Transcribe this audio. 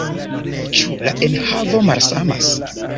Ĉu la enhavo malsamas?